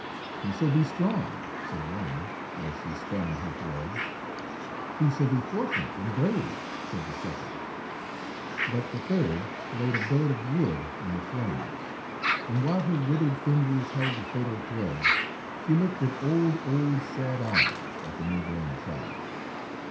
"He shall be strong," said one, as she span her thread. "He shall be fortunate and brave," said the second. But the third laid a billet of wood on the flames, and while her withered fingers held the fatal threads, she looked with old, old, sad eyes at the new born child.